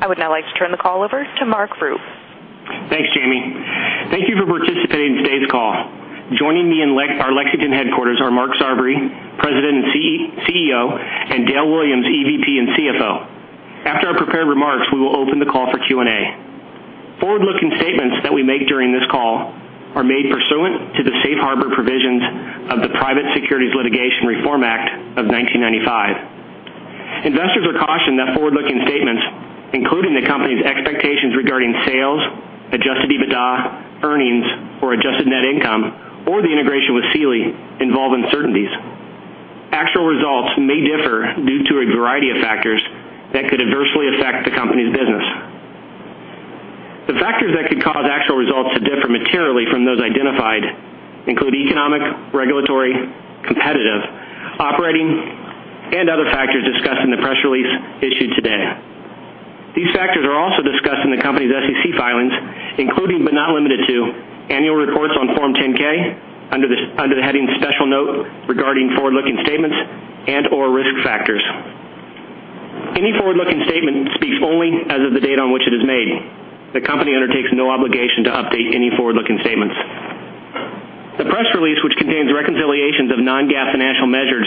I would now like to turn the call over to Mark Roope. Thanks, Jamie. Thank you for participating in today's call. Joining me in our Lexington headquarters are Mark Sarvary, President and CEO, and Dale Williams, EVP and CFO. After our prepared remarks, we will open the call for Q&A. Forward-looking statements that we make during this call are made pursuant to the safe harbor provisions of the Private Securities Litigation Reform Act of 1995. Investors are cautioned that forward-looking statements, including the company's expectations regarding sales, adjusted EBITDA, earnings, or adjusted net income, or the integration with Sealy, involve uncertainties. Actual results may differ due to a variety of factors that could adversely affect the company's business. The factors that could cause actual results to differ materially from those identified include economic, regulatory, competitive, operating, and other factors discussed in the press release issued today. These factors are also discussed in the company's SEC filings, including but not limited to annual reports on Form 10-K under the heading Special Note regarding forward-looking statements and/or risk factors. Any forward-looking statement speaks only as of the date on which it is made. The company undertakes no obligation to update any forward-looking statements. The press release, which contains reconciliations of non-GAAP financial measures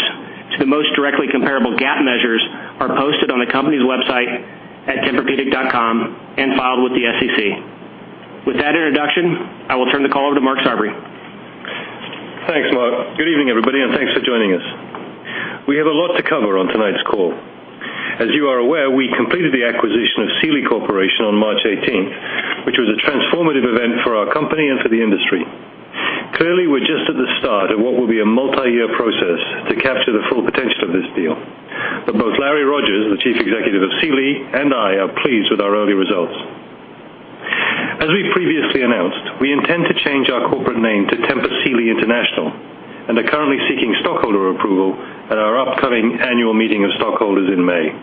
to the most directly comparable GAAP measures, are posted on the company's website at tempurpedic.com and filed with the SEC. With that introduction, I will turn the call over to Mark Sarvary. Thanks, Mark. Good evening, everybody, and thanks for joining us. We have a lot to cover on tonight's call. As you are aware, we completed the acquisition of Sealy Corporation on March 18th, which was a transformative event for our company and for the industry. Clearly, we're just at the start of what will be a multi-year process to capture the full potential of this deal. Both Larry Rogers, the Chief Executive of Sealy, and I are pleased with our early results. As we previously announced, we intend to change our corporate name to Tempur Sealy International and are currently seeking stockholder approval at our upcoming annual meeting of stockholders in May.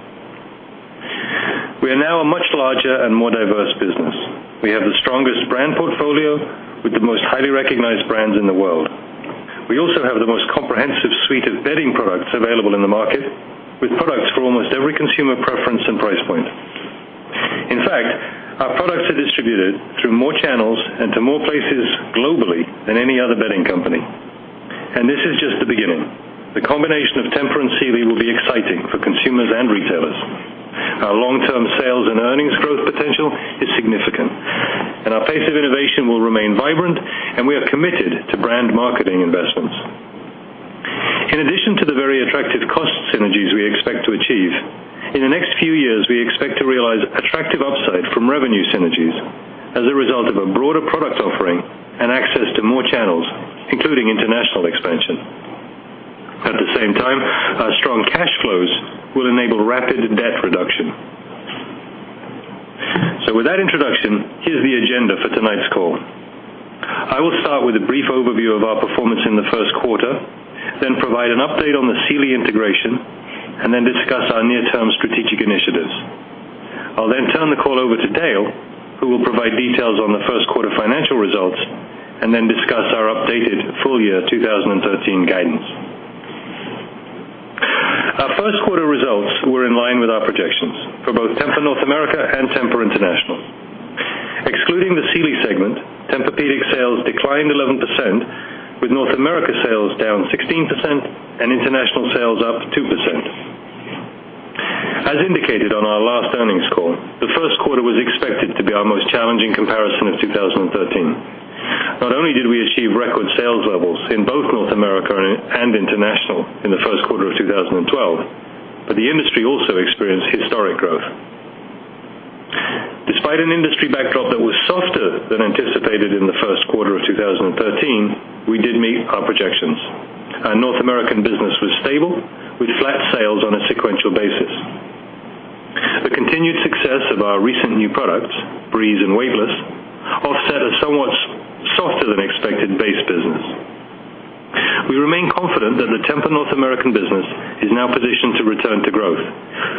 We are now a much larger and more diverse business. We have the strongest brand portfolio with the most highly recognized brands in the world. We also have the most comprehensive suite of bedding products available in the market, with products for almost every consumer preference and price point. In fact, our products are distributed through more channels and to more places globally than any other bedding company. This is just the beginning. The combination of Tempur and Sealy will be exciting for consumers and retailers. Our long-term sales and earnings growth potential is significant, and our pace of innovation will remain vibrant, and we are committed to brand marketing investments. In addition to the very attractive cost synergies we expect to achieve, in the next few years, we expect to realize attractive upside from revenue synergies as a result of a broader product offering and access to more channels, including international expansion. At the same time, our strong cash flows will enable rapid debt reduction. With that introduction, here's the agenda for tonight's call. I will start with a brief overview of our performance in the first quarter, then provide an update on the Sealy integration, and then discuss our near-term strategic initiatives. I'll then turn the call over to Dale, who will provide details on the first quarter financial results and then discuss our updated full-year 2013 guidance. Our first quarter results were in line with our projections for both Tempur North America and Tempur International. Excluding the Sealy segment, Tempur-Pedic sales declined 11%, with North America sales down 16% and international sales up 2%. As indicated on our last earnings call, the first quarter was expected to be our most challenging comparison of 2013. Not only did we achieve record sales levels in both North America and international in the first quarter of 2012, but the industry also experienced historic growth. Despite an industry backdrop that was softer than anticipated in the first quarter of 2013, we did meet our projections. Our North American business was stable, with flat sales on a sequential basis. The continued success of our recent new products, Breeze and Waveless, offset a somewhat softer-than-expected base business. We remain confident that the Tempur North American business is now positioned to return to growth,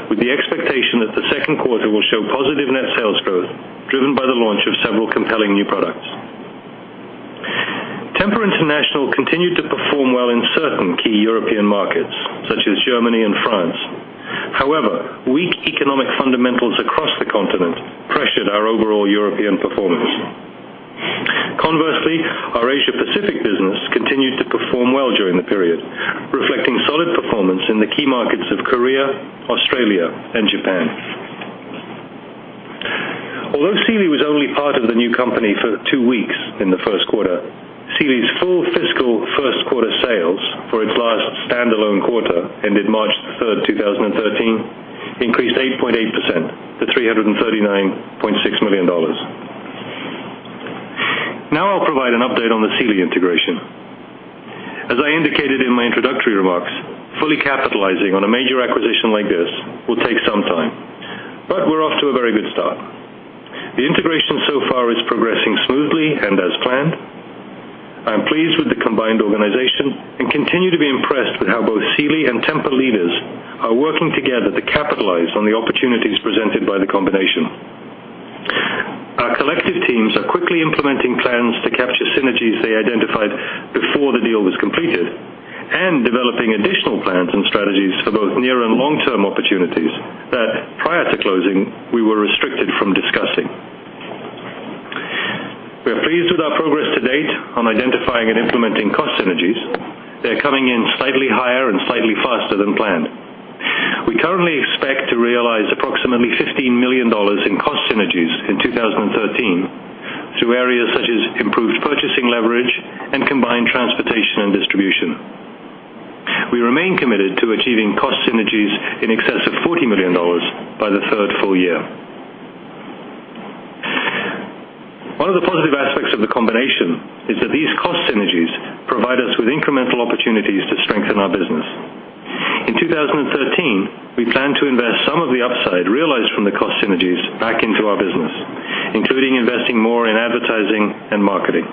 with the expectation that the second quarter will show positive net sales growth driven by the launch of several compelling new products. Tempur International continued to perform well in certain key European markets, such as Germany and France. However, weak economic fundamentals across the continent pressured our overall European performance. Conversely, our Asia Pacific business continued to perform well during the period, reflecting solid performance in the key markets of Korea, Australia, and Japan. Although Sealy was only part of the new company for two weeks in the first quarter, Sealy's full fiscal first quarter sales for its last standalone quarter, ended March the 3rd, 2013, increased 8.8% to $339.6 million. Now I'll provide an update on the Sealy integration. As I indicated in my introductory remarks, fully capitalizing on a major acquisition like this will take some time, but we're off to a very good start. The integration so far is progressing smoothly and as planned. I am pleased with the combined organization and continue to be impressed with how both Sealy and Tempur leaders are working together to capitalize on the opportunities presented by the combination. Our collective teams are quickly implementing plans to capture synergies they identified before the deal was completed and developing additional plans and strategies for both near and long-term opportunities that, prior to closing, we were restricted from discussing. We are pleased with our progress to date on identifying and implementing cost synergies. They are coming in slightly higher and slightly faster than planned. We currently expect to realize approximately $15 million in cost synergies in 2013 through areas such as improved purchasing leverage and combined transportation and distribution. We remain committed to achieving cost synergies in excess of $40 million by the third full year. One of the positive aspects of the combination is that these cost synergies provide us with incremental opportunities to strengthen our business. In 2013, we plan to invest some of the upside realized from the cost synergies back into our business, including investing more in advertising and marketing.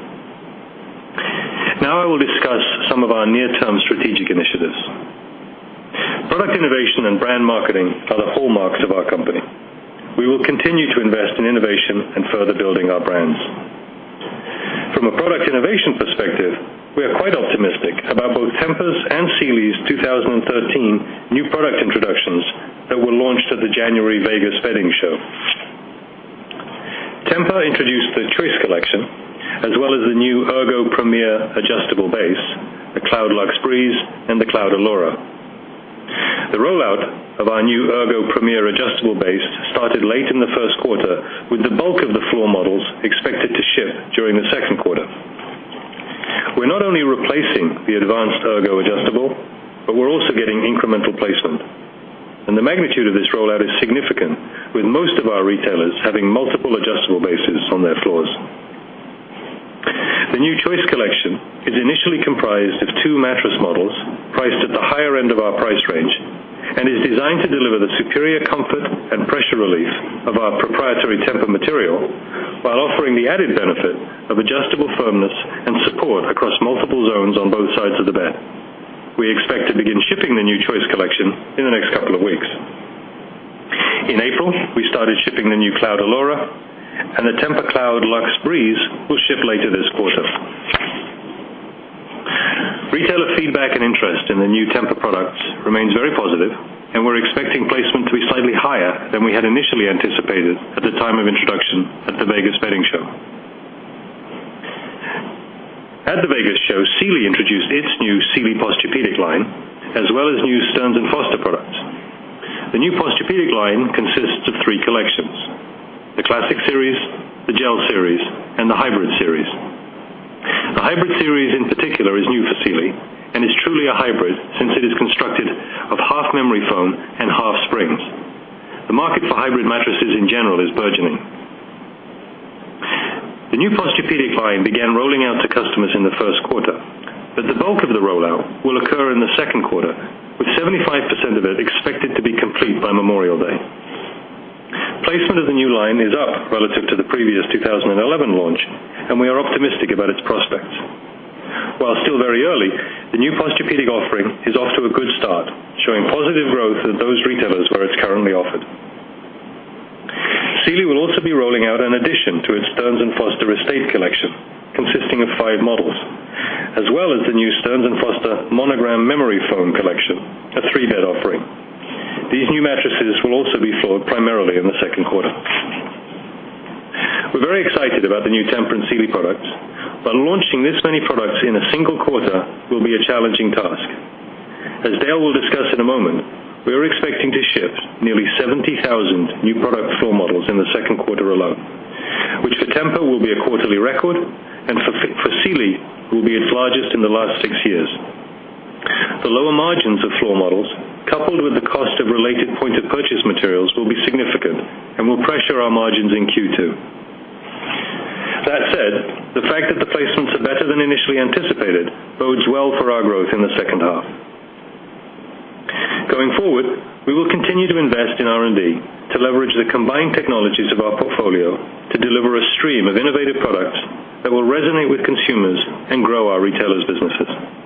I will discuss some of our near-term strategic initiatives. Product innovation and brand marketing are the hallmarks of our company. We will continue to invest in innovation and further building our brands. From a product innovation perspective, we are quite optimistic about both Tempur's and Sealy's 2013 new product introductions that were launched at the January Vegas Bedding Show. Tempur introduced the Choice Collection, as well as the new TEMPUR-Ergo Premier Adjustable Base, the TEMPUR-Cloud Luxe Breeze, and the TEMPUR-Cloud Allura. The rollout of our new TEMPUR-Ergo Premier Adjustable Base started late in the first quarter, with the bulk of the floor models expected to ship during the second quarter. We are not only replacing the advanced Ergo Adjustable, we are also getting incremental placement. The magnitude of this rollout is significant, with most of our retailers having multiple adjustable bases on their floors. The new TEMPUR-Choice Collection is initially comprised of two mattress models priced at the higher end of our price range and is designed to deliver the superior comfort and pressure relief of our proprietary Tempur material while offering the added benefit of adjustable firmness and support across multiple zones on both sides of the bed. We expect to begin shipping the new TEMPUR-Choice Collection in the next couple of weeks. In April, we started shipping the new TEMPUR-Cloud Allura. The TEMPUR-Cloud Luxe Breeze will ship later this quarter. Retailer feedback and interest in the new Tempur products remains very positive. We are expecting placement to be slightly higher than we had initially anticipated at the time of introduction at the Vegas Bedding Show. At the Vegas show, Sealy introduced its new Sealy Posturepedic line, as well as new Stearns & Foster products. The new Posturepedic line consists of three collections, the Classic Series, the Gel Series, and the Hybrid Series. The Hybrid Series in particular is new for Sealy and is truly a hybrid since it is constructed of half memory foam and half springs. The market for hybrid mattresses in general is burgeoning. The new Posturepedic line began rolling out to customers in the first quarter. The bulk of the rollout will occur in the second quarter, with 75% of it expected to be complete by Memorial Day. Placement of the new line is up relative to the previous 2011 launch. We are optimistic about its prospects. While still very early, the new Posturepedic offering is off to a good start, showing positive growth at those retailers where it's currently offered. Sealy will also be rolling out an addition to its Stearns & Foster Estate collection, consisting of five models, as well as the new Stearns & Foster Monogram Memory Foam collection, a three-bed offering. These new mattresses will also be floored primarily in the second quarter. Launching this many products in a single quarter will be a challenging task. As Dale will discuss in a moment, we are expecting to ship nearly 70,000 new product floor models in the second quarter alone, which for Tempur will be a quarterly record and for Sealy will be its largest in the last six years. The lower margins of floor models, coupled with the cost of related point-of-purchase materials, will be significant and will pressure our margins in Q2. That said, the fact that the placements are better than initially anticipated bodes well for our growth in the second half. Going forward, we will continue to invest in R&D to leverage the combined technologies of our portfolio to deliver a stream of innovative products that will resonate with consumers and grow our retailers' businesses.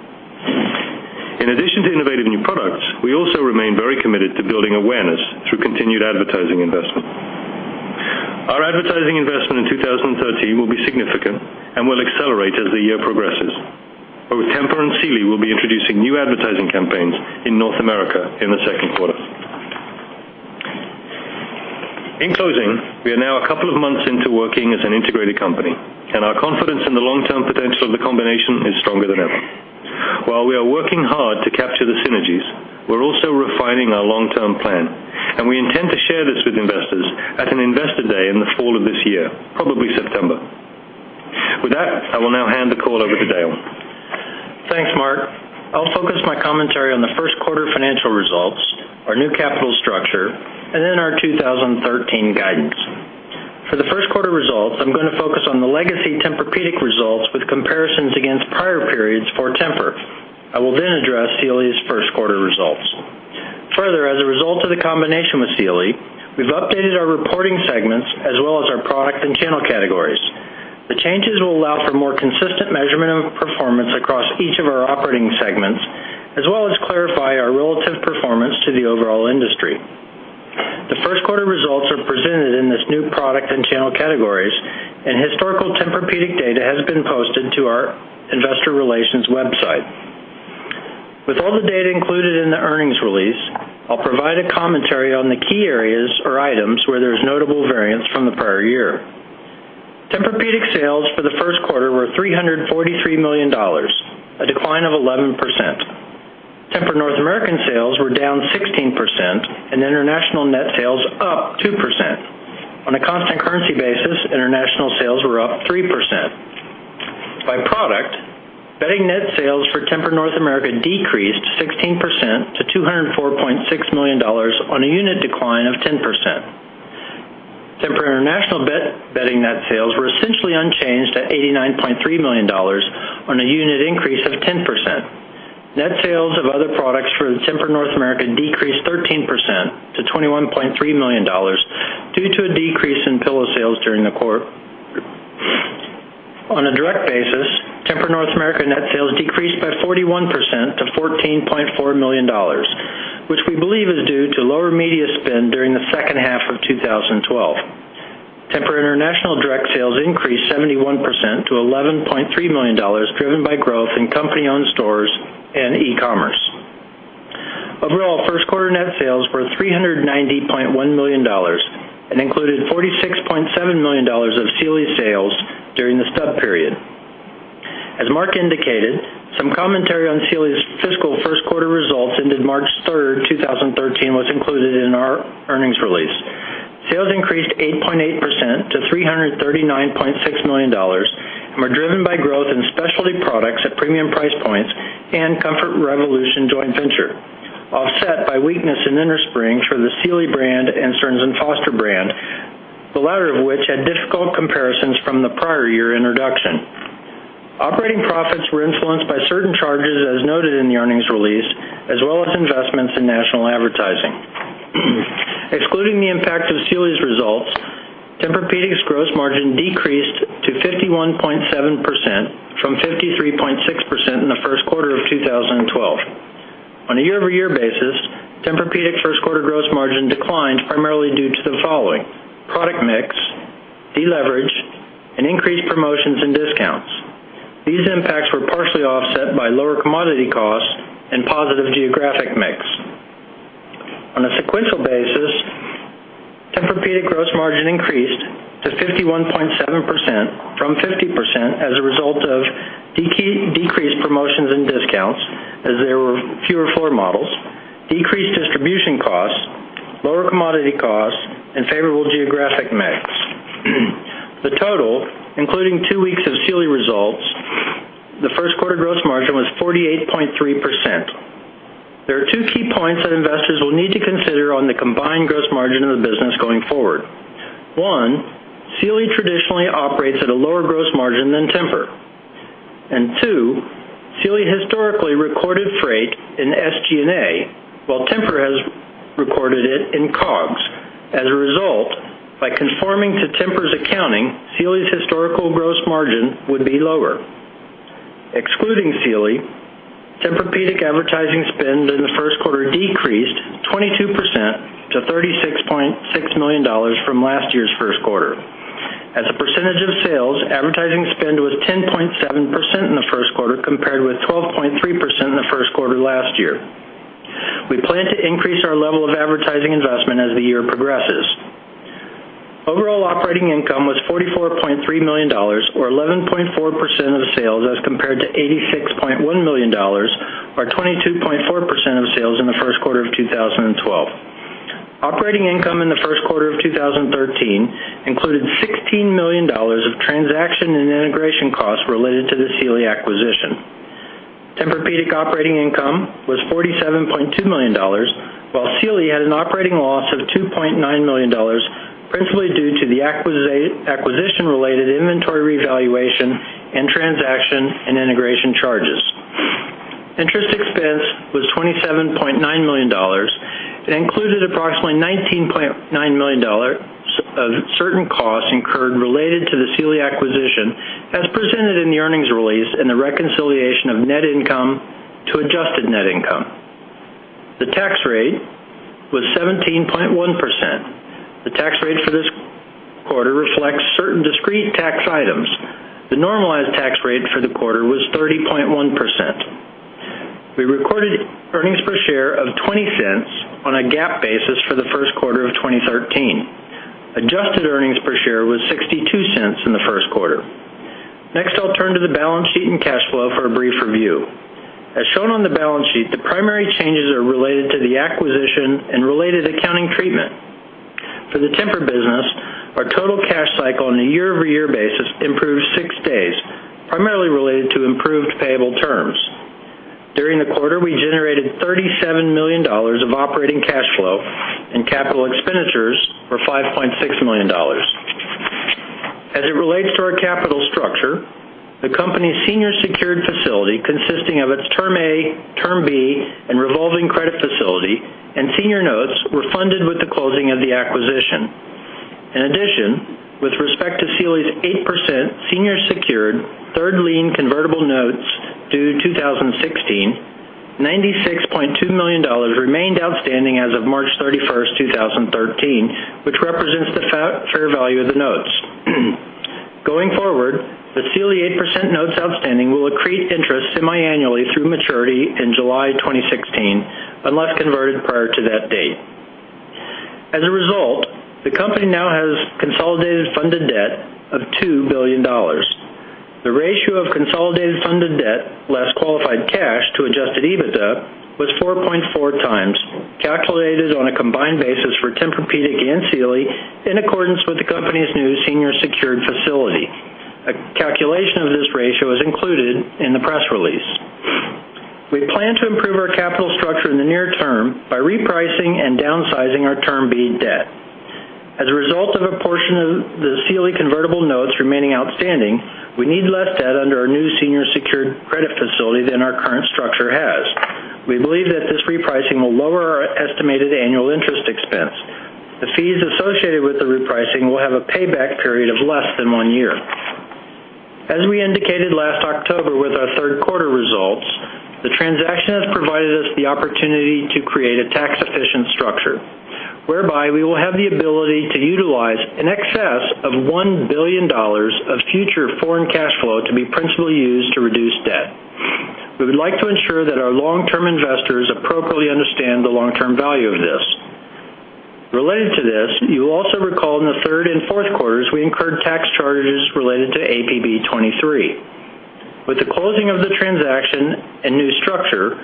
In addition to innovative new products, we also remain very committed to building awareness through continued advertising investment. Our advertising investment in 2013 will be significant and will accelerate as the year progresses. Both Tempur and Sealy will be introducing new advertising campaigns in North America in the second quarter. In closing, we are now a couple of months into working as an integrated company. Our confidence in the long-term potential of the combination is stronger than ever. While we are working hard to capture the synergies, we're also refining our long-term plan. We intend to share this with investors at an investor day in the fall of this year, probably September. With that, I will now hand the call over to Dale. Thanks, Mark. I'll focus my commentary on the first quarter financial results, our new capital structure, and then our 2013 guidance. For the first quarter results, I'm going to focus on the legacy Tempur-Pedic results with comparisons against prior periods for Tempur. I will then address Sealy's first quarter results. Further, as a result of the combination with Sealy, we've updated our reporting segments as well as our product and channel categories. History. The first quarter results are presented in this new product and channel categories. Historical Tempur-Pedic data has been posted to our investor relations website. With all the data included in the earnings release, I'll provide a commentary on the key areas or items where there is notable variance from the prior year. Tempur-Pedic sales for the first quarter were $343 million, a decline of 11%. Tempur North America sales were down 16% and international net sales up 2%. On a constant currency basis, international sales were up 3%. By product, bedding net sales for Tempur North America decreased 16% to $204.6 million on a unit decline of 10%. Tempur International bedding net sales were essentially unchanged at $89.3 million on a unit increase of 10%. Net sales of other products for Tempur North America decreased 13% to $21.3 million due to a decrease in pillow sales during the quarter. On a direct basis, Tempur North America net sales decreased by 41% to $14.4 million, which we believe is due to lower media spend during the second half of 2012. Tempur International direct sales increased 71% to $11.3 million, driven by growth in company-owned stores and e-commerce. Overall, first quarter net sales were $390.1 million and included $46.7 million of Sealy sales during the stub period. As Mark indicated, some commentary on Sealy's fiscal first quarter results ended March 3, 2013, was included in our earnings release. Sales increased 8.8% to $339.6 million and were driven by growth in specialty products at premium price points and Comfort Revolution joint venture, offset by weakness in innerspring for the Sealy brand and Stearns & Foster brand, the latter of which had difficult comparisons from the prior year introduction. Operating profits were influenced by certain charges, as noted in the earnings release, as well as investments in national advertising. Excluding the impact of Sealy's results, Tempur-Pedic's gross margin decreased to 51.7% from 53.6% in the first quarter of 2012. On a year-over-year basis, Tempur-Pedic first quarter gross margin declined primarily due to the following: product mix, deleverage, and increased promotions and discounts. These impacts were partially offset by lower commodity costs and positive geographic mix. On a sequential basis, Tempur-Pedic gross margin increased to 51.7% from 50% as a result of decreased promotions and discounts as there were fewer floor models, decreased distribution costs, lower commodity costs, and favorable geographic mix. The total, including two weeks of Sealy results, the first quarter gross margin was 48.3%. There are two key points that investors will need to consider on the combined gross margin of the business going forward. One, Sealy traditionally operates at a lower gross margin than Tempur. Two, Sealy historically recorded freight in SG&A, while Tempur has recorded it in COGS. As a result, by conforming to Tempur's accounting, Sealy's historical gross margin would be lower. Excluding Sealy, Tempur-Pedic advertising spend in the first quarter decreased 22% to $36.6 million from last year's first quarter. As a percentage of sales, advertising spend was 10.7% in the first quarter, compared with 12.3% in the first quarter last year. We plan to increase our level of advertising investment as the year progresses. Overall operating income was $44.3 million or 11.4% of sales, as compared to $86.1 million or 22.4% of sales in the first quarter of 2012. Operating income in the first quarter of 2013 included $16 million of transaction and integration costs related to the Sealy acquisition. Tempur-Pedic operating income was $47.2 million, while Sealy had an operating loss of $2.9 million, principally due to the acquisition-related inventory revaluation and transaction and integration charges. Interest expense was $27.9 million and included approximately $19.9 million of certain costs incurred related to the Sealy acquisition, as presented in the earnings release and the reconciliation of net income to adjusted net income. The tax rate was 17.1%. The tax rate for this quarter reflects certain discrete tax items. The normalized tax rate for the quarter was 30.1%. We recorded earnings per share of $0.20 on a GAAP basis for the first quarter of 2013. Adjusted earnings per share was $0.62 in the first quarter. Next, I'll turn to the balance sheet and cash flow for a brief review. As shown on the balance sheet, the primary changes are related to the acquisition and related accounting treatment. For the Tempur business, our total cash cycle on a year-over-year basis improved six days, primarily related to improved payable terms. During the quarter, we generated $37 million of operating cash flow and capital expenditures were $5.6 million. As it relates to our capital structure, the company's senior secured facility, consisting of its Term Loan A, Term Loan B and revolving credit facility and senior notes, were funded with the closing of the acquisition. In addition, with respect to Sealy's 8% senior secured Third lien convertible notes due 2016, $96.2 million remained outstanding as of March 31, 2013, which represents the fair value of the notes. Going forward, the Sealy 8% notes outstanding will accrete interest semiannually through maturity in July 2016, unless converted prior to that date. As a result, the company now has consolidated funded debt of $2 billion. The ratio of consolidated funded debt, less qualified cash to adjusted EBITDA, was 4.4 times, calculated on a combined basis for Tempur-Pedic and Sealy, in accordance with the company's new senior secured facility. A calculation of this ratio is included in the press release. We plan to improve our capital structure in the near term by repricing and downsizing our Term Loan B debt. As a result of a portion of the Sealy convertible notes remaining outstanding, we need less debt under our new senior secured credit facility than our current structure has. We believe that this repricing will lower our estimated annual interest expense. The fees associated with the repricing will have a payback period of less than one year. As we indicated last October with our third quarter results, the transaction has provided us the opportunity to create a tax-efficient structure, whereby we will have the ability to utilize in excess of $1 billion of future foreign cash flow to be principally used to reduce debt. We would like to ensure that our long-term investors appropriately understand the long-term value of this. Related to this, you will also recall in the third and fourth quarters, we incurred tax charges related to APB 23. With the closing of the transaction and new structure,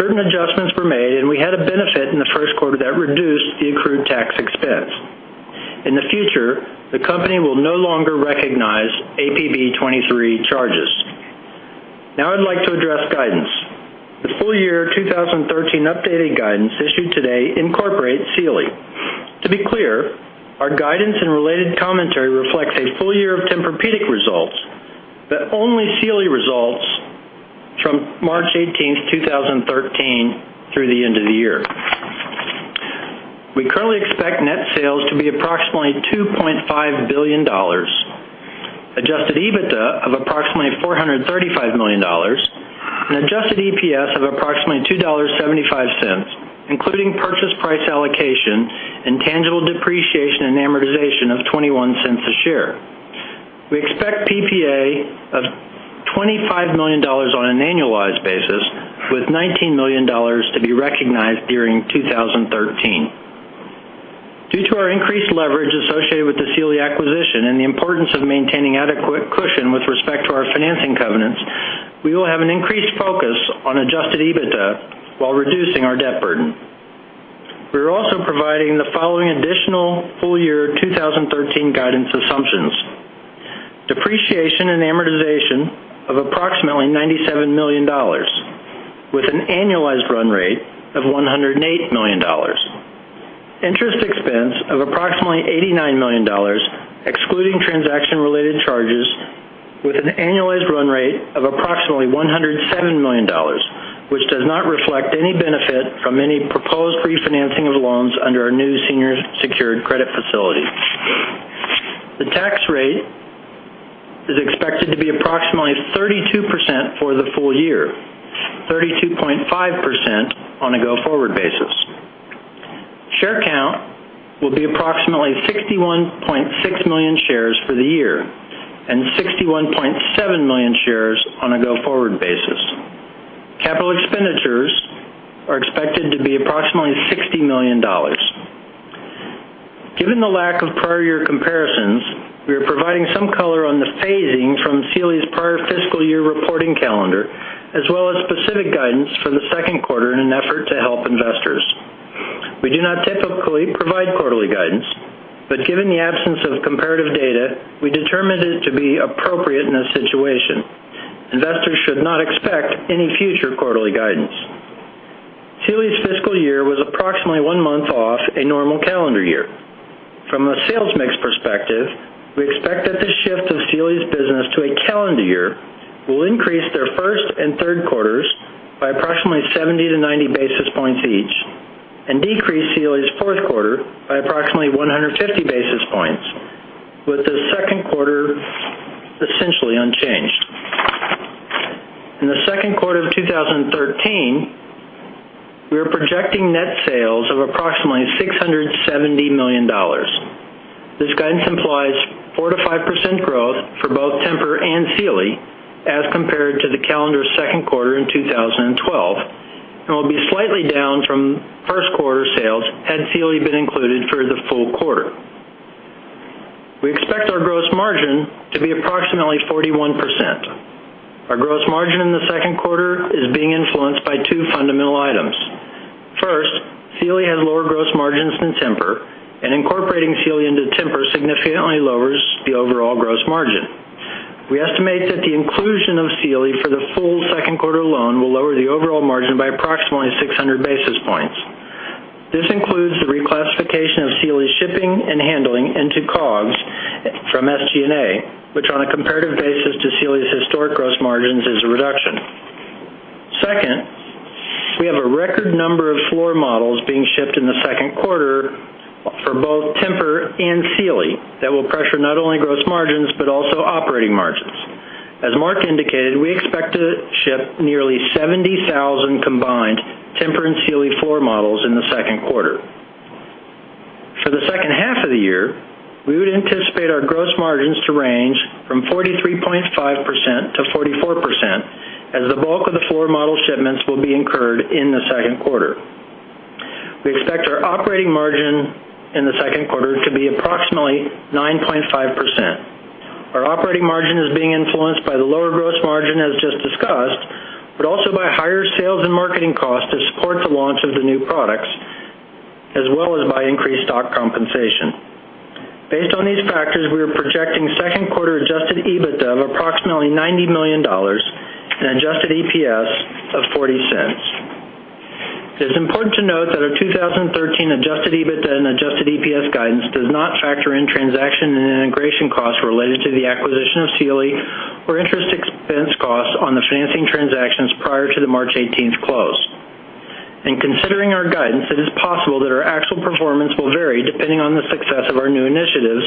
certain adjustments were made, and we had a benefit in the first quarter that reduced the accrued tax expense. In the future, the company will no longer recognize APB 23 charges. Now I'd like to address guidance. The full year 2013 updated guidance issued today incorporates Sealy. To be clear, our guidance and related commentary reflects a full year of Tempur-Pedic results, but only Sealy results from March 18, 2013 through the end of the year. We currently expect net sales to be approximately $2.5 billion, adjusted EBITDA of approximately $435 million, and adjusted EPS of approximately $2.75, including purchase price allocation and tangible depreciation and amortization of $0.21 a share. We expect PPA of $25 million on an annualized basis, with $19 million to be recognized during 2013. Due to our increased leverage associated with the Sealy acquisition and the importance of maintaining adequate cushion with respect to our financing covenants, we will have an increased focus on adjusted EBITDA while reducing our debt burden. We are also providing the following additional full-year 2013 guidance assumptions. Depreciation and amortization of approximately $97 million, with an annualized run rate of $108 million. Interest expense of approximately $89 million, excluding transaction-related charges, with an annualized run rate of approximately $107 million, which does not reflect any benefit from any proposed refinancing of loans under our new senior secured credit facility. The tax rate is expected to be approximately 32% for the full year, 32.5% on a go-forward basis. Share count will be approximately 61.6 million shares for the year and 61.7 million shares on a go-forward basis. Capital expenditures are expected to be approximately $60 million. Given the lack of prior year comparisons, we are providing some color on the phasing from Sealy's prior fiscal year reporting calendar, as well as specific guidance for the second quarter in an effort to help investors. We do not typically provide quarterly guidance, but given the absence of comparative data, we determined it to be appropriate in this situation. Investors should not expect any future quarterly guidance. Sealy's fiscal year was approximately one month off a normal calendar year. From a sales mix perspective, we expect that the shift of Sealy's business to a calendar year will increase their first and third quarters by approximately 70 to 90 basis points each and decrease Sealy's fourth quarter by approximately 150 basis points, with the second quarter essentially unchanged. In the second quarter of 2013, we are projecting net sales of approximately $670 million. This guidance implies 4%-5% growth for both Tempur and Sealy as compared to the calendar second quarter in 2012 and will be slightly down from first quarter sales had Sealy been included for the full quarter. We expect our gross margin to be approximately 41%. Our gross margin in the second quarter is being influenced by two fundamental items. First, Sealy has lower gross margins than Tempur, and incorporating Sealy into Tempur significantly lowers the overall gross margin. We estimate that the inclusion of Sealy for the full second quarter alone will lower the overall margin by approximately 600 basis points. This includes the reclassification of Sealy's shipping and handling into COGS from SG&A, which on a comparative basis to Sealy's historic gross margins is a reduction. Record number of floor models being shipped in the second quarter for both Tempur and Sealy that will pressure not only gross margins, but also operating margins. As Mark indicated, we expect to ship nearly 70,000 combined Tempur and Sealy floor models in the second quarter. For the second half of the year, we would anticipate our gross margins to range from 43.5%-44%, as the bulk of the floor model shipments will be incurred in the second quarter. We expect our operating margin in the second quarter to be approximately 9.5%. Our operating margin is being influenced by the lower gross margin, as just discussed, but also by higher sales and marketing costs to support the launch of the new products, as well as by increased stock compensation. Based on these factors, we are projecting second quarter adjusted EBITDA of approximately $90 million and adjusted EPS of $0.40. It is important to note that our 2013 adjusted EBITDA and adjusted EPS guidance does not factor in transaction and integration costs related to the acquisition of Sealy or interest expense costs on the financing transactions prior to the March 18th close. In considering our guidance, it is possible that our actual performance will vary depending on the success of our new initiatives,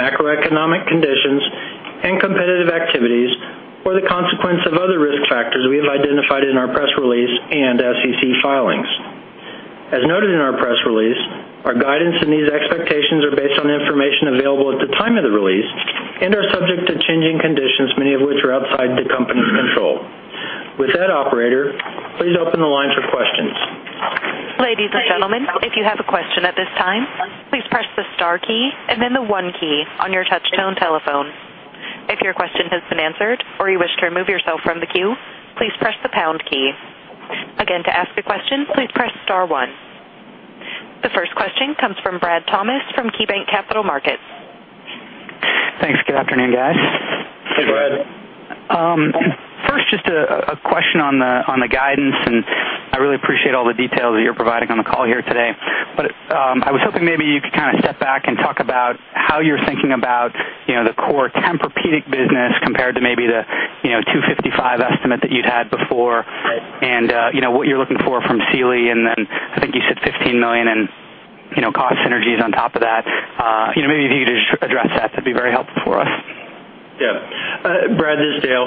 macroeconomic conditions, and competitive activities, or the consequence of other risk factors we have identified in our press release and SEC filings. As noted in our press release, our guidance and these expectations are based on the information available at the time of the release and are subject to changing conditions, many of which are outside the company's control. With that, Operator, please open the line for questions. Ladies and gentlemen, if you have a question at this time, please press the star key and then the one key on your touch-tone telephone. If your question has been answered or you wish to remove yourself from the queue, please press the pound key. Again, to ask a question, please press star one. The first question comes from Brad Thomas from KeyBanc Capital Markets. Thanks. Good afternoon, guys. Hey, Brad. Just a question on the guidance. I really appreciate all the details that you're providing on the call here today. I was hoping maybe you could kind of step back and talk about how you're thinking about the core Tempur-Pedic business compared to maybe the $255 estimate that you'd had before. Right. What you're looking for from Sealy. I think you said $15 million in cost synergies on top of that. Maybe if you could just address that'd be very helpful for us. Brad, this is Dale.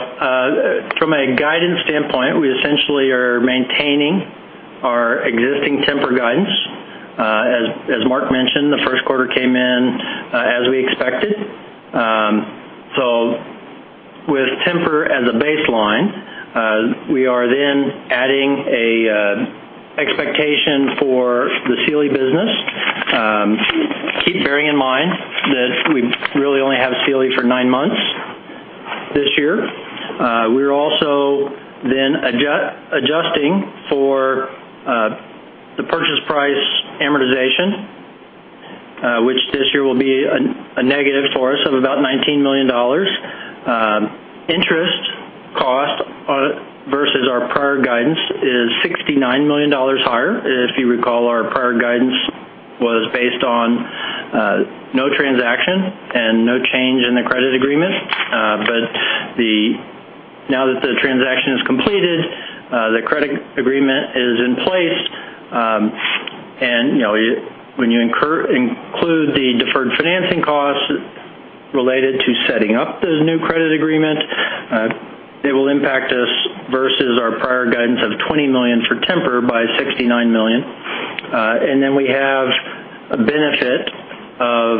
From a guidance standpoint, we essentially are maintaining our existing Tempur guidance. As Mark mentioned, the first quarter came in as we expected. With Tempur as a baseline, we are then adding an expectation for the Sealy business. Keep bearing in mind that we really only have Sealy for nine months this year. We're also then adjusting for the purchase price amortization, which this year will be a negative for us of about $19 million. Interest cost versus our prior guidance is $69 million higher. If you recall, our prior guidance was based on no transaction and no change in the credit agreement. Now that the transaction is completed, the credit agreement is in place, when you include the deferred financing costs related to setting up the new credit agreement it will impact us versus our prior guidance of $20 million for Tempur by $69 million. Then we have a benefit of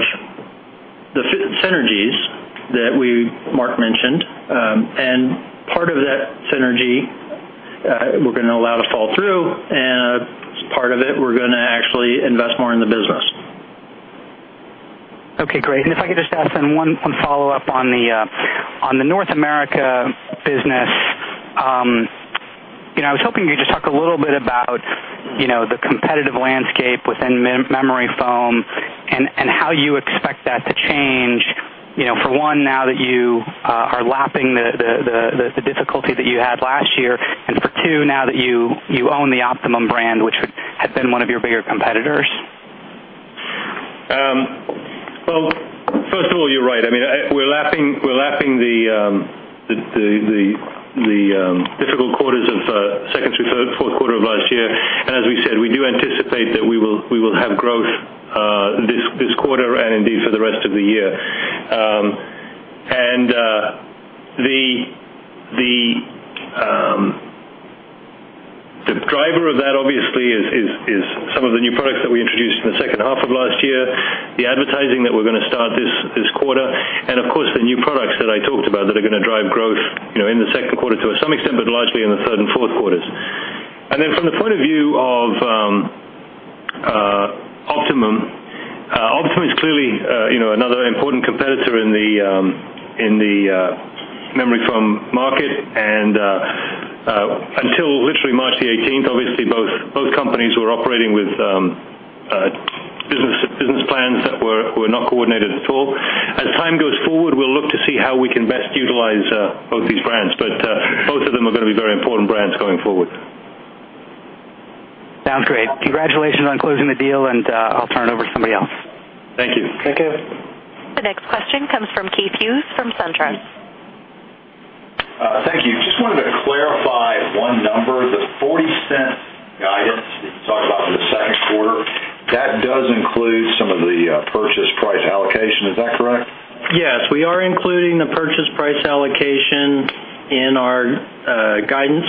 the synergies that Mark mentioned. Part of that synergy we're going to allow to fall through, and part of it we're going to actually invest more in the business. Okay, great. If I could just ask then one follow-up on the North America business. I was hoping you could just talk a little bit about the competitive landscape within memory foam and how you expect that to change, for one, now that you are lapping the difficulty that you had last year and for two, now that you own the Optimum brand, which had been one of your bigger competitors. Well, first of all, you're right. We're lapping the difficult quarters of second, third, fourth quarter of last year. As we said, we do anticipate that we will have growth this quarter and indeed for the rest of the year. The driver of that obviously is some of the new products that we introduced in the second half of last year, the advertising that we're going to start this quarter, and of course, the new products that I talked about that are going to drive growth in the second quarter to some extent, but largely in the third and fourth quarters. Then from the point of view of Optimum is clearly another important competitor in the memory foam market. Until literally March the 18th, obviously both companies were operating with business plans that were not coordinated at all. As time goes forward, we'll look to see how we can best utilize both these brands. Both of them are going to be very important brands going forward. Sounds great. Congratulations on closing the deal. I'll turn it over to somebody else. Thank you. The next question. Thank you. Just wanted to clarify one number. The $0.40 guidance you talked about for the second quarter, that does include some of the purchase price allocation, is that correct? Yes, we are including the purchase price allocation in our guidance.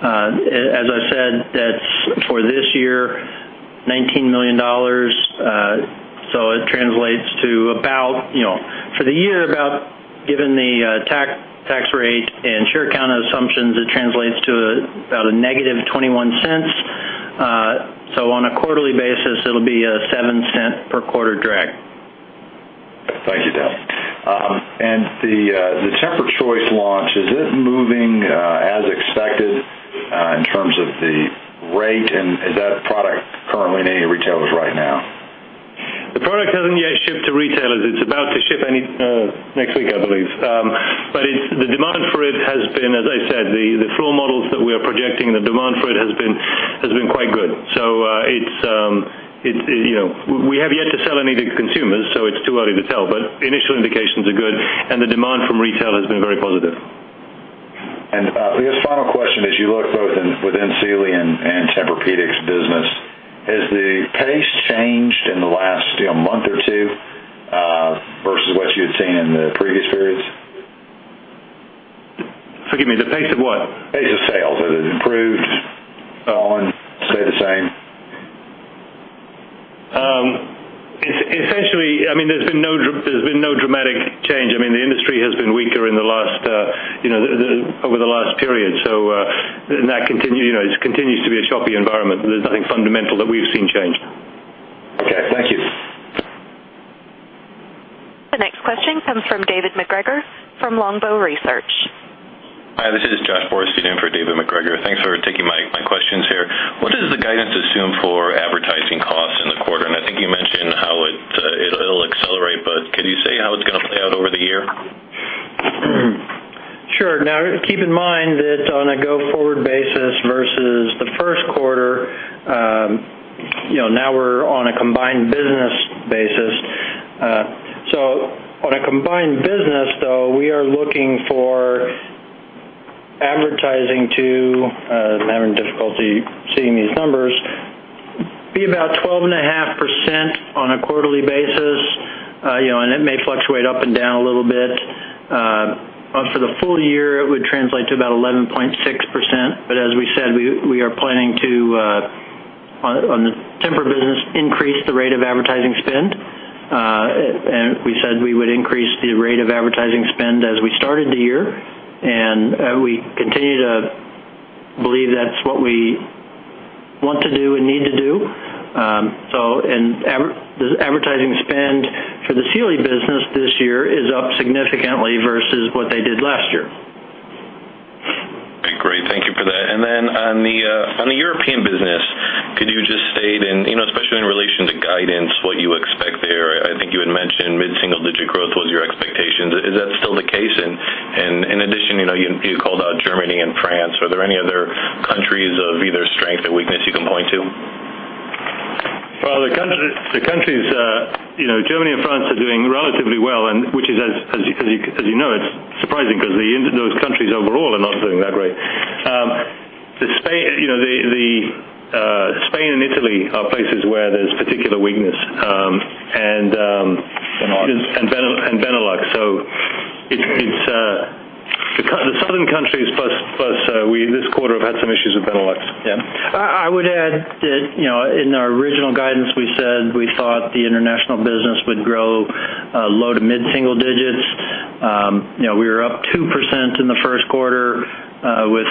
As I said, that's for this year, $19 million. It translates to, for the year, given the tax rate and share count assumptions, it translates to about a negative $0.21. On a quarterly basis, it'll be a $0.07 per quarter drag. Thank you, Dale. The TEMPUR-Choice launch, is it moving as expected in terms of the rate? Is that product currently in any retailers right now? The product hasn't yet shipped to retailers. It's about to ship next week, I believe. The demand for it has been, as I said, the floor models that we are projecting, the demand for it has been quite good. We have yet to sell any to consumers, so it's too early to tell, but the initial indications are good, and the demand from retail has been very positive. I guess final question, as you look both within Sealy and Tempur-Pedic's business, has the pace changed in the last month or two versus what you had seen in the previous periods? Forgive me, the pace of what? Pace of sales. Has it improved on, say, the same? Essentially, there's been no dramatic change. The industry has been weaker over the last period. It continues to be a choppy environment, but there's nothing fundamental that we've seen change. Okay. Thank you. The next question comes from David MacGregor from Longbow Research. Hi, this is Joshua Borus standing in for David MacGregor. Thanks for taking my questions here. What does the guidance assume for advertising costs in the quarter? I think you mentioned how it'll accelerate, but could you say how it's going to play out over the year? Sure. Keep in mind that on a go-forward basis versus the first quarter, now we're on a combined business basis. On a combined business, though, we are looking for advertising to, I'm having difficulty seeing these numbers, be about 12.5% on a quarterly basis. It may fluctuate up and down a little bit. For the full year, it would translate to about 11.6%, as we said, we are planning to, on the Tempur business, increase the rate of advertising spend. We said we would increase the rate of advertising spend as we started the year. We continue to believe that's what we want to do and need to do. The advertising spend for the Sealy business this year is up significantly versus what they did last year. Okay, great. Thank you for that. Then on the European business, could you just state, especially in relation to guidance, what you expect there? I think you had mentioned mid-single digit growth was your expectation. Is that still the case? In addition, you called out Germany and France. Are there any other countries of either strength or weakness you can point to? Well, the countries Germany and France are doing relatively well, which is, as you know, it's surprising because those countries overall are not doing that great. Spain and Italy are places where there's particular weakness. Benelux. Benelux. The southern countries plus we, this quarter, have had some issues with Benelux. I would add that in our original guidance, we said we thought the international business would grow low to mid-single digits. We were up 2% in the first quarter with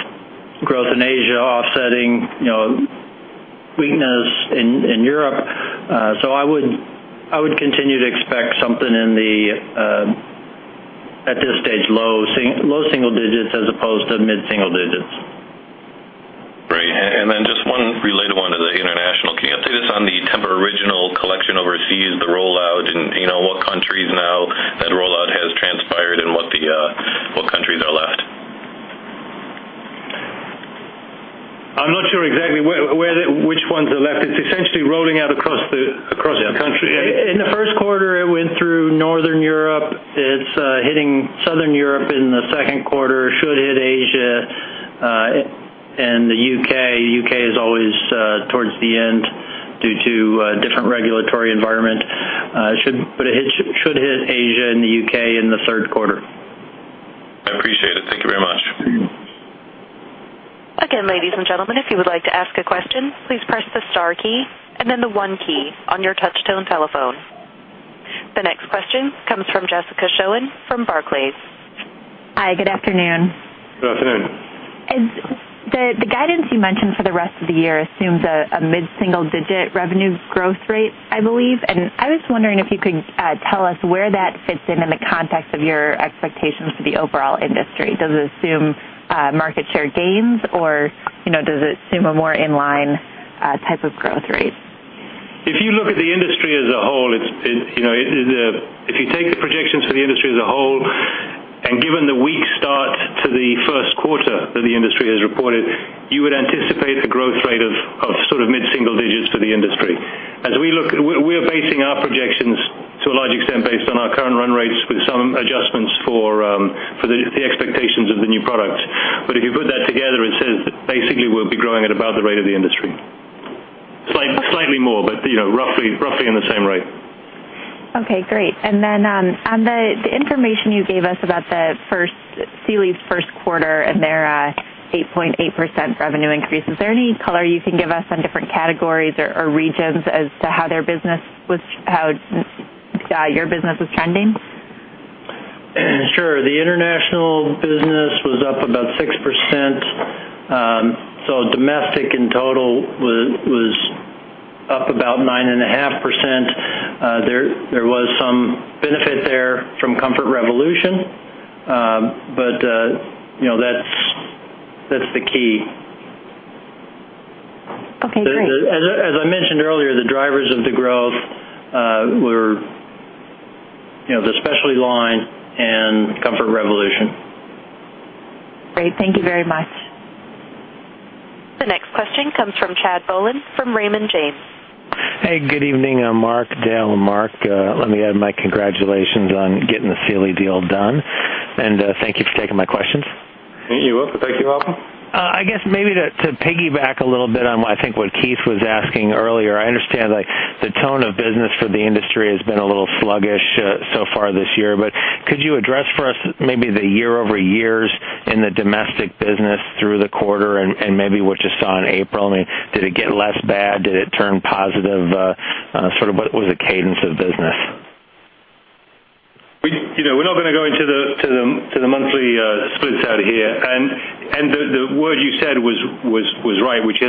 growth in Asia offsetting weakness in Europe. I would continue to expect something in the, at this stage, low single digits as opposed to mid-single digits. Great. Just one related one to the international. Can you update us on the TEMPUR-Original collection overseas, the rollout, and what countries now that rollout has transpired and what countries are left? I'm not sure exactly which ones are left. It's essentially rolling out across the country. In the first quarter, it went through Northern Europe. It's hitting Southern Europe in the second quarter. Should hit Asia and the U.K. The U.K. is always towards the end due to a different regulatory environment. It should hit Asia and the U.K. in the third quarter. I appreciate it. Thank you very much. Again, ladies and gentlemen, if you would like to ask a question, please press the star key and then the one key on your touch-tone telephone. The next question comes from Jessica Schoen from Barclays. Hi, good afternoon. Good afternoon. The guidance you mentioned for the rest of the year assumes a mid-single-digit revenue growth rate, I believe. I was wondering if you could tell us where that fits in the context of your expectations for the overall industry. Does it assume market share gains or does it assume a more in-line type of growth rate? If you take the projections for the industry as a whole, given the weak start to the first quarter that the industry has reported, you would anticipate it based on our current run rates with some adjustments for the expectations of the new product. If you put that together, it says that basically we'll be growing at about the rate of the industry. Slightly more, but roughly in the same rate. Okay, great. On the information you gave us about Sealy's first quarter and their 8.8% revenue increase, is there any color you can give us on different categories or regions as to how your business is trending? Sure. The international business was up about 6%. Domestic in total was up about 9.5%. There was some benefit there from Comfort Revolution. That's the key. Okay, great. As I mentioned earlier, the drivers of the growth were the specialty line and Comfort Revolution. Great. Thank you very much. The next question comes from Chad Bolen from Raymond James. Hey, good evening, Mark, Dale, and Mark. Let me add my congratulations on getting the Sealy deal done, thank you for taking my questions. You're welcome. Thank you. I guess maybe to piggyback a little bit on I think what Keith was asking earlier. I understand the tone of business for the industry has been a little sluggish so far this year, but could you address for us maybe the year-over-years in the domestic business through the quarter and maybe what you saw in April? I mean, did it get less bad? Did it turn positive? Sort of what was the cadence of business? We're not going to go into the monthly splits out here. The word you said was right, which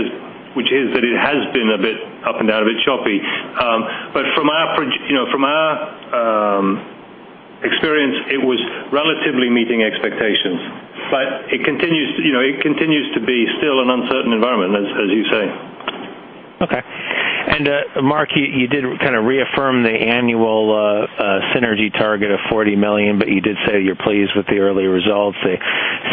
is that it has been a bit up and down, a bit choppy. From our experience, it was relatively meeting expectations. It continues to be still an uncertain environment, as you say. Okay. Mark, you did kind of reaffirm the annual synergy target of $40 million. You did say you're pleased with the early results. They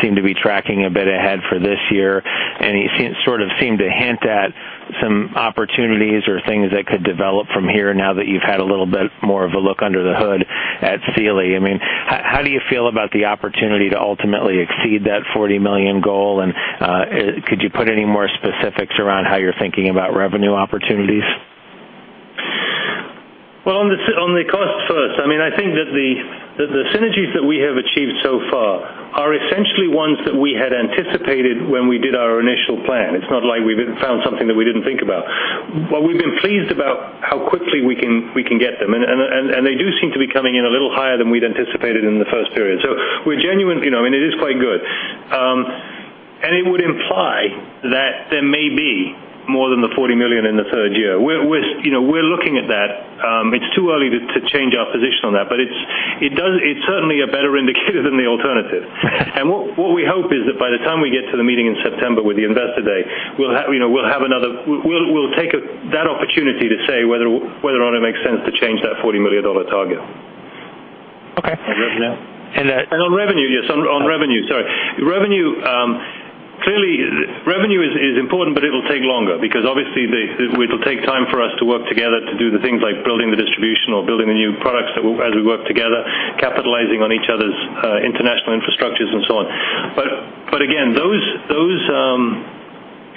seem to be tracking a bit ahead for this year. You sort of seemed to hint at some opportunities or things that could develop from here now that you've had a little bit more of a look under the hood at Sealy. How do you feel about the opportunity to ultimately exceed that $40 million goal? Could you put any more specifics around how you're thinking about revenue opportunities? Well, on the cost first. I think that the synergies that we have achieved so far are essentially ones that we had anticipated when we did our initial plan. It's not like we've found something that we didn't think about. We've been pleased about how quickly we can get them. They do seem to be coming in a little higher than we'd anticipated in the first period. We're genuine. It is quite good. It would imply that there may be more than the $40 million in the third year. We're looking at that. It's too early to change our position on that. It's certainly a better indicator than the alternative. What we hope is that by the time we get to the meeting in September with the investor day, we'll take that opportunity to say whether or not it makes sense to change that $40 million target. Okay. On revenue. Yes, on revenue. Sorry. Clearly, revenue is important, but it'll take longer because obviously it'll take time for us to work together to do the things like building the distribution or building the new products as we work together, capitalizing on each other's international infrastructures and so on. Again,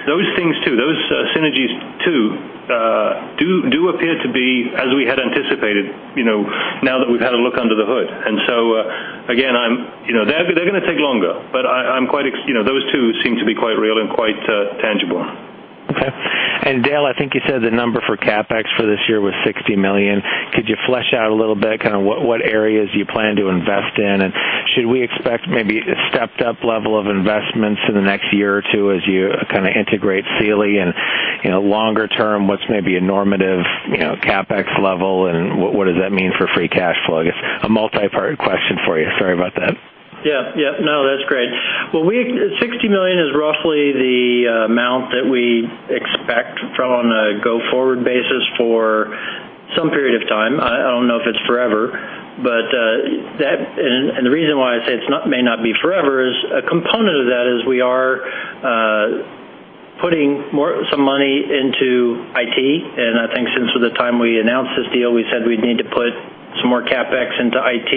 those things too, those synergies too, do appear to be as we had anticipated now that we've had a look under the hood. Again, they're going to take longer, but those two seem to be quite real and quite tangible. Okay. Dale, I think you said the number for CapEx for this year was $60 million. Could you flesh out a little bit kind of what areas you plan to invest in? Should we expect maybe a stepped-up level of investments in the next year or two as you kind of integrate Sealy and longer term, what's maybe a normative CapEx level, and what does that mean for free cash flow? I guess a multi-part question for you. Sorry about that. Yeah. No, that's great. Well, $60 million is roughly the amount that we expect from a go-forward basis for some period of time. I don't know if it's forever, the reason why I say it may not be forever is a component of that is we are putting some money into IT, and I think since the time we announced this deal, we said we'd need to put some more CapEx into IT.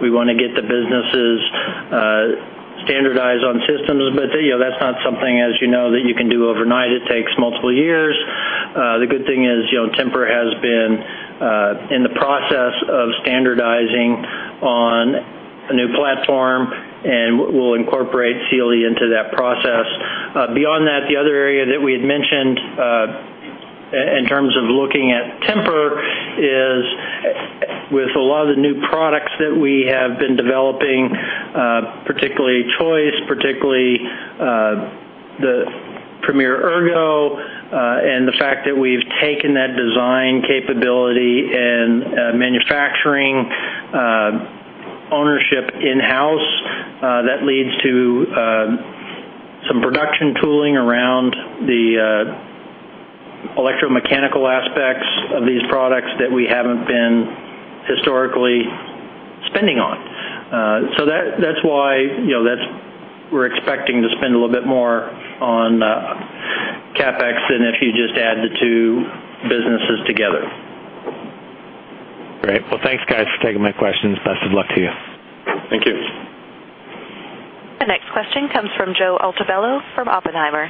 We want to get the businesses standardized on systems. That's not something, as you know, that you can do overnight. It takes multiple years. The good thing is Tempur has been in the process of standardizing on a new platform, and we'll incorporate Sealy into that process. Beyond that, the other area that we had mentioned in terms of looking at Tempur is with a lot of the new products that we have been developing, particularly Choice, particularly the Premier Ergo, and the fact that we've taken that design capability and manufacturing ownership in-house. That leads to some production tooling around the electromechanical aspects of these products that we haven't been historically spending on. That's why we're expecting to spend a little bit more on CapEx than if you just add the two businesses together. Great. Thanks guys for taking my questions. Best of luck to you. Thank you. The next question comes from Joe Altobello from Oppenheimer.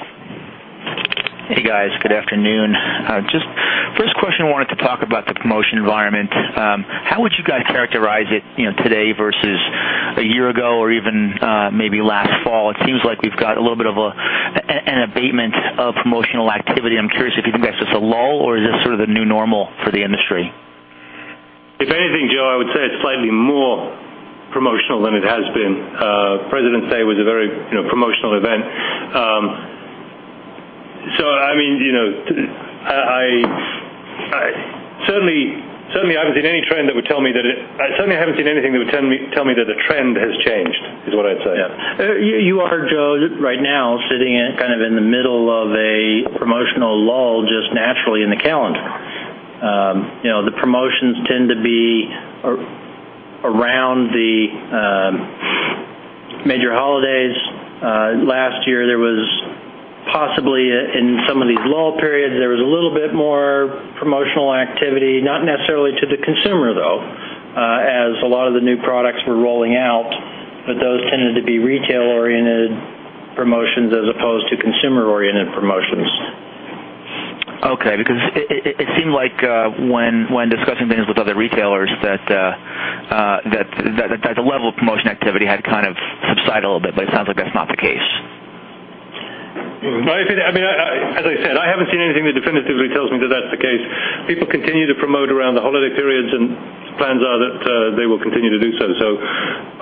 Hey, guys. Good afternoon. First question, I wanted to talk about the promotion environment. How would you guys characterize it today versus a year ago or even maybe last fall? It seems like we've got a little bit of an abatement of promotional activity. I'm curious if you think that's just a lull or is this sort of the new normal for the industry? If anything, Joe, I would say it's slightly more promotional than it has been. Presidents' Day was a very promotional event. I certainly haven't seen anything that would tell me that the trend has changed, is what I'd say. Yeah. You are, Joe, right now sitting kind of in the middle of a promotional lull just naturally in the calendar. The promotions tend to be around the major holidays. Last year, possibly in some of these lull periods, there was a little bit more promotional activity, not necessarily to the consumer though, as a lot of the new products were rolling out, but those tended to be retail-oriented promotions as opposed to consumer-oriented promotions. Okay. It seemed like when discussing things with other retailers that the level of promotion activity had kind of subsided a little bit, but it sounds like that's not the case. As I said, I haven't seen anything that definitively tells me that that's the case. People continue to promote around the holiday periods, and plans are that they will continue to do so.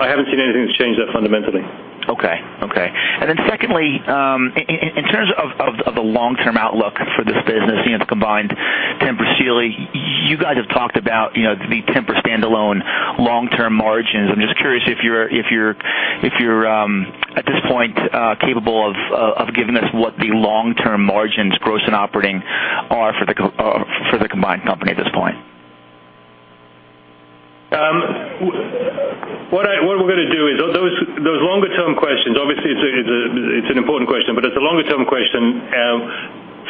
I haven't seen anything that's changed that fundamentally. Okay. Secondly, in terms of the long-term outlook for this business, the combined Tempur Sealy, you guys have talked about the Tempur standalone long-term margins. I'm just curious if you're at this point capable of giving us what the long-term margins, gross and operating, are for the combined company at this point. What we're going to do is, those longer term questions, obviously it's an important question, but it's a longer term question.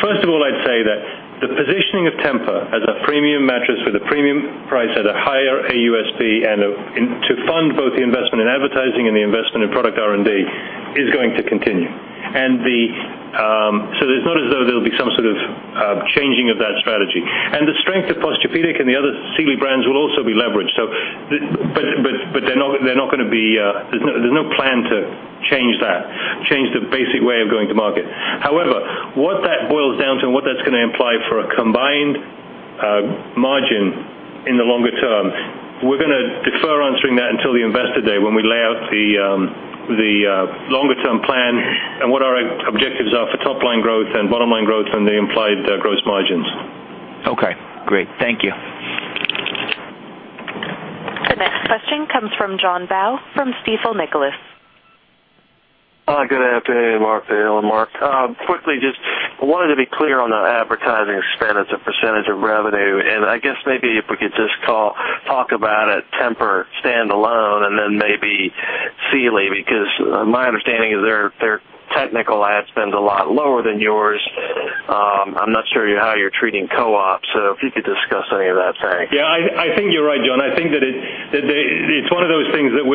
First of all, I'd say that the positioning of Tempur as a premium mattress with a premium price at a higher AUSP and to fund both the investment in advertising and the investment in product R&D is going to continue. It's not as though there'll be some sort of changing of that strategy. The strength of Posturepedic and the other Sealy brands will also be leveraged. There's no plan to change that, change the basic way of going to market. What that boils down to and what that's going to imply for a combined margin in the longer term, we're going to defer answering that until the investor day when we lay out the longer term plan and what our objectives are for top line growth and bottom line growth and the implied gross margins. Okay, great. Thank you. The next question comes from John Baugh from Stifel Nicolaus. Good afternoon, Mark, Dale, and Mark. Quickly, just wanted to be clear on the advertising spend as a percentage of revenue. I guess maybe if we could just talk about it Tempur standalone and then maybe Sealy, because my understanding is their technical ad spend a lot lower than yours. I'm not sure how you're treating co-op. If you could discuss any of that, thanks. Yeah, I think you're right, John. I think that it's one of those things that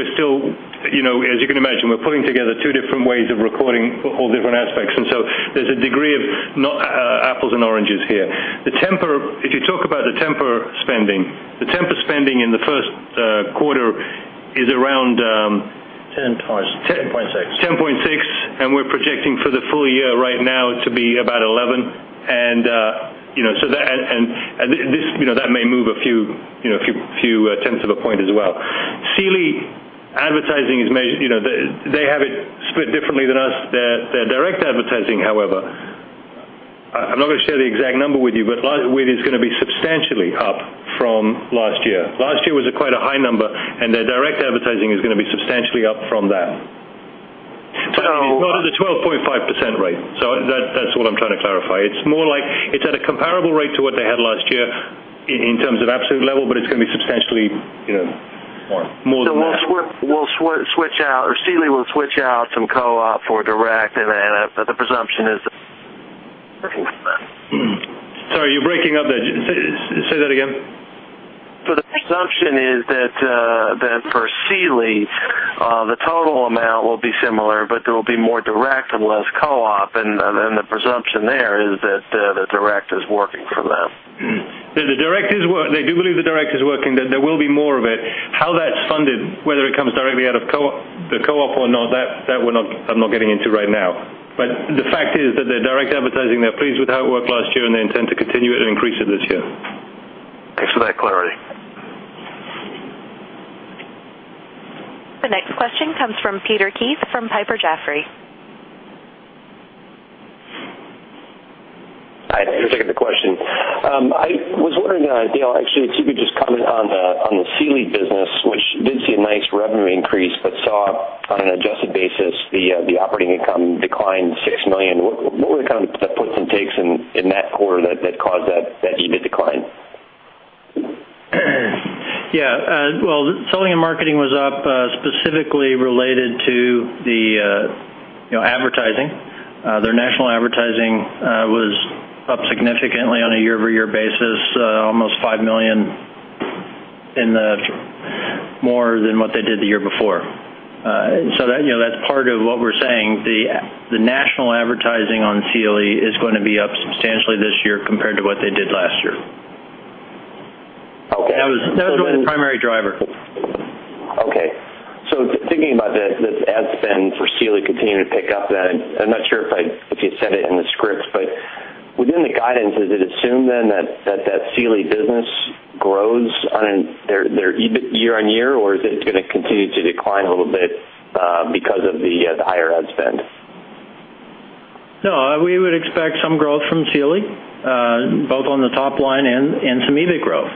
as you can imagine, we're putting together two different ways of recording all different aspects, and so there's a degree of apples and oranges here. If you talk about the Tempur spending, the Tempur spending in the first quarter is around. 10.- 10. 10.6. 10.6, we're projecting for the full year right now to be about 11. That may move a few tenths of a point as well. Sealy advertising is measured, they have it split differently than us. Their direct advertising, however, I'm not going to share the exact number with you, but it is going to be substantially up from last year. Last year was quite a high number, and their direct advertising is going to be substantially up from that. It's not at a 12.5% rate. That's what I'm trying to clarify. It's at a comparable rate to what they had last year in terms of absolute level, but it's going to be substantially- More more than that. Sealy will switch out some co-op for direct, and the presumption is that. Sorry, you're breaking up there. Say that again. The presumption is that for Sealy, the total amount will be similar, but there will be more direct and less co-op. Then the presumption there is that the direct is working for them. They do believe the direct is working. There will be more of it. How that's funded, whether it comes directly out of the co-op or not, that I'm not getting into right now. The fact is that their direct advertising, they're pleased with how it worked last year, and they intend to continue it and increase it this year. Thanks for that clarity. The next question comes from Peter Keith from Piper Jaffray. Hi. Thanks for taking the question. I was wondering, Dale, actually if you could just comment on the Sealy business, which did see a nice revenue increase, but saw on an adjusted basis, the operating income decline $6 million. What were the kind of the puts and takes in that quarter that caused that decline? Yeah. Well, selling and marketing was up specifically related to the advertising. Their national advertising was up significantly on a year-over-year basis, almost $5 million more than what they did the year before. That's part of what we're saying. The national advertising on Sealy is going to be up substantially this year compared to what they did last year. Okay. That was really the primary driver. Okay. Thinking about this ad spend for Sealy continuing to pick up, then, I'm not sure if you said it in the script, but within the guidance, does it assume then that that Sealy business grows their EBIT year-on-year, or is it going to continue to decline a little bit because of the higher ad spend? No, we would expect some growth from Sealy, both on the top line and some EBIT growth.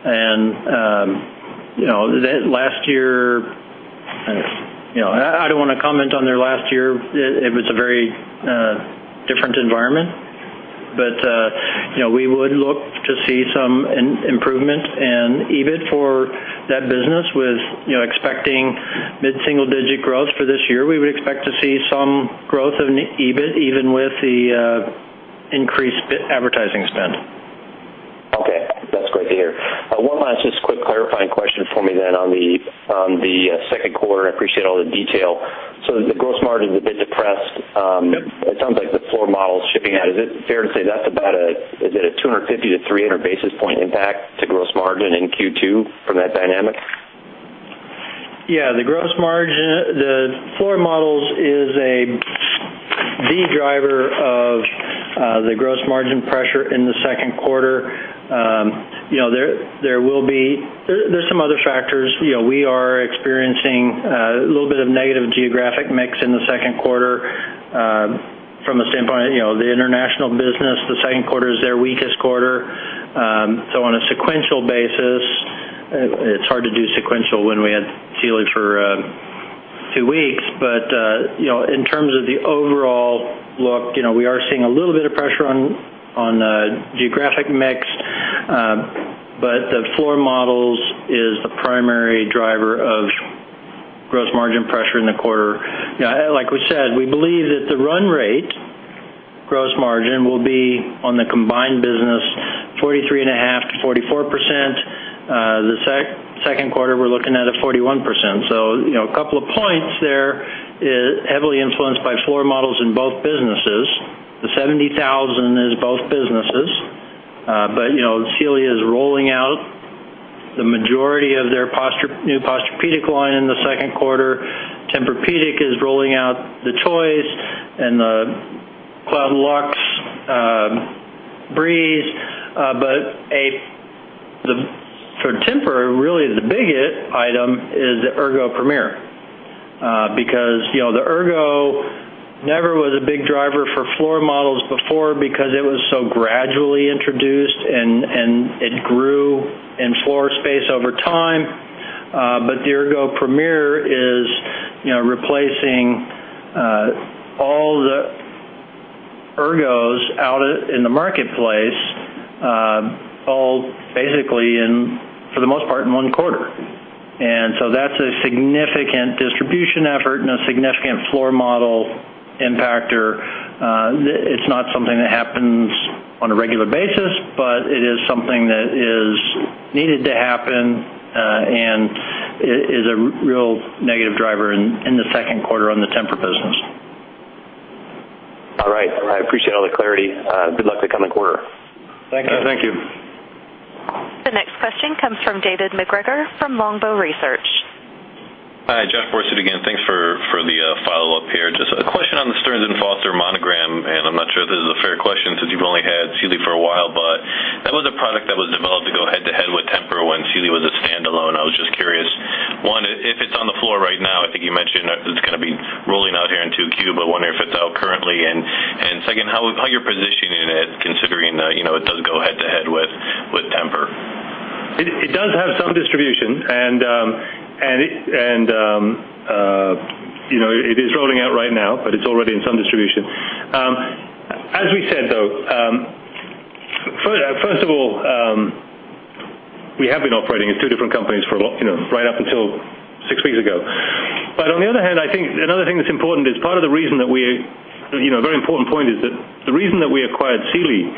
Last year, I don't want to comment on their last year. It was a very different environment. We would look to see some improvement and EBIT for that business with expecting mid-single-digit growth for this year. We would expect to see some growth in EBIT, even with the increased advertising spend. Okay. That's great to hear. One last just quick clarifying question for me then on the second quarter. I appreciate all the detail. The gross margin is a bit depressed. Yep. It sounds like the floor model's shipping out. Is it fair to say that's about a 250-300 basis point impact to gross margin in Q2 from that dynamic? Yeah. The floor models is the driver of the gross margin pressure in the second quarter. There are some other factors. We are experiencing a little bit of negative geographic mix in the second quarter. From a standpoint, the international business, the second quarter is their weakest quarter. On a sequential basis, it's hard to do sequential when we had Sealy for two weeks. In terms of the overall look, we are seeing a little bit of pressure on the geographic mix. The floor models is the primary driver of gross margin pressure in the quarter. Like we said, we believe that the run rate gross margin will be on the combined business, 43.5%-44%. The second quarter, we're looking at a 41%. A couple of points there is heavily influenced by floor models in both businesses. The 70,000 is both businesses. Sealy is rolling out the majority of their new Posturepedic line in the second quarter. Tempur-Pedic is rolling out the Choice and the TEMPUR-Cloud Luxe Breeze. For Tempur, really the biggest item is the TEMPUR-Ergo Premier. The Ergo never was a big driver for floor models before because it was so gradually introduced, and it grew in floor space over time. The TEMPUR-Ergo Premier is replacing all the Ergos out in the marketplace, all basically for the most part, in one quarter. That's a significant distribution effort and a significant floor model impactor. It's not something that happens on a regular basis, but it is something that is needed to happen and is a real negative driver in the second quarter on the Tempur business. All right. I appreciate all the clarity. Good luck the coming quarter. Thank you. Thank you. The next question comes from David MacGregor from Longbow Research. Hi, Geoff Borsut again. Thanks for the follow-up here. Just a question on the Stearns & Foster Monogram, I'm not sure if this is a fair question since you've only had Sealy for a while, That was a product that was developed to go head-to-head with Tempur when Sealy was a standalone. I was just curious, one, if it's on the floor right now. I think you mentioned that it's going to be rolling out here in 2Q, wondering if it's out currently, and second, how you're positioning it considering that it does go head-to-head with Tempur. It does have some distribution, It is rolling out right now, It's already in some distribution. As we said, though, first of all, we have been operating as two different companies right up until six weeks ago. On the other hand, I think another thing that's important is A very important point is that the reason that we acquired Sealy,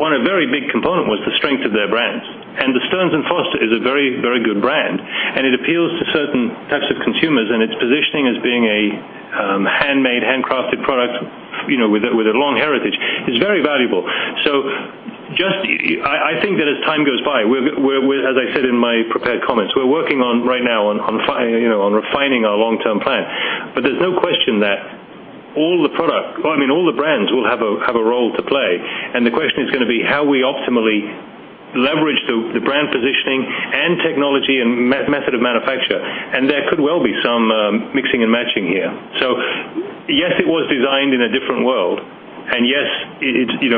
one of very big component was the strength of their brands. The Stearns & Foster is a very good brand, It appeals to certain types of consumers, Its positioning as being a handmade, handcrafted product with a long heritage is very valuable. I think that as time goes by, as I said in my prepared comments, we're working right now on refining our long-term plan. There's no question that all the brands will have a role to play. The question is going to be how we optimally leverage the brand positioning Technology and method of manufacture. There could well be some mixing and matching here. Yes, it was designed in a different world, Yes,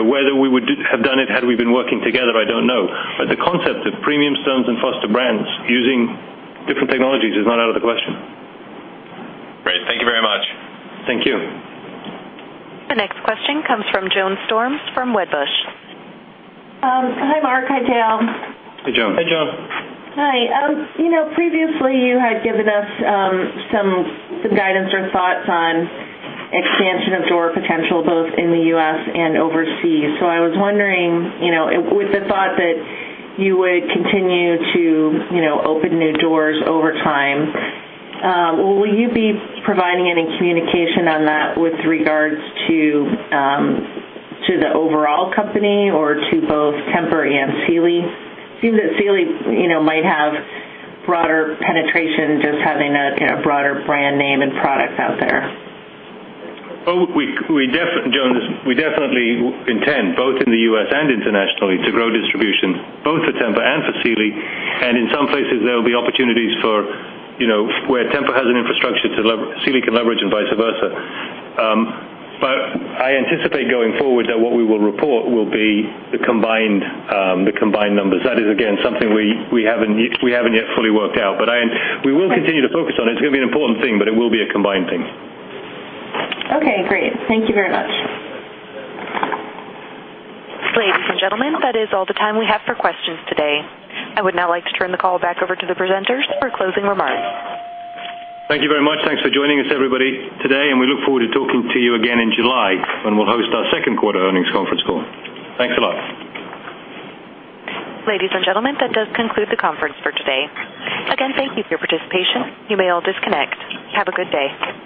whether we would have done it had we been working together, I don't know. The concept of premium Stearns & Foster brands using different technologies is not out of the question. Great. Thank you very much. Thank you. The next question comes from Joan Storms from Wedbush. Hi, Mark. Hi, Dale. Hi, Joan. Hi, Joan. Hi. Previously, you had given us some guidance or thoughts on expansion of door potential both in the U.S. and overseas. I was wondering, with the thought that you would continue to open new doors over time, will you be providing any communication on that with regards to the overall company or to both Tempur and Sealy? It seems that Sealy might have broader penetration, just having a broader brand name and products out there. Joan, we definitely intend, both in the U.S. and internationally, to grow distribution both for Tempur and for Sealy. In some places, there will be opportunities where Tempur has an infrastructure Sealy can leverage and vice versa. I anticipate going forward that what we will report will be the combined numbers. That is, again, something we haven't yet fully worked out, but we will continue to focus on it. It's going to be an important thing, but it will be a combined thing. Okay, great. Thank you very much. Ladies and gentlemen, that is all the time we have for questions today. I would now like to turn the call back over to the presenters for closing remarks. Thank you very much. Thanks for joining us, everybody, today, and we look forward to talking to you again in July when we'll host our second quarter earnings conference call. Thanks a lot. Ladies and gentlemen, that does conclude the conference for today. Again, thank you for your participation. You may all disconnect. Have a good day.